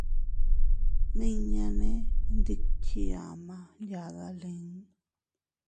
Miña nee ndikche ama yadalin.